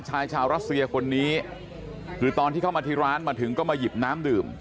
ชายชาวรัสเซียคนนี้คือตอนที่เข้ามาที่ร้านมาถึงก็มาหยิบน้ำดื่ม